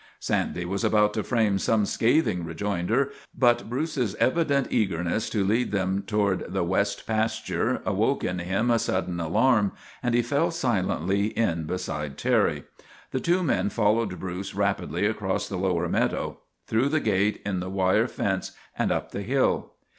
Sandy was about to frame some scathing re joinder, but Bruce's evident eagerness to lead them toward the west pasture awoke in him a sudden alarm, and he fell silently in beside Terry. The two ' men followed Bruce rapidly across the lower meadow, through the gate in the wire fence, and up the hill.